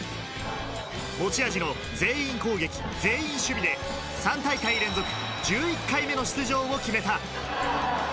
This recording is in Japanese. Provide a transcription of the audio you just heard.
持ち味の全員攻撃、全員守備で３大会連続１１回目の出場を決めた。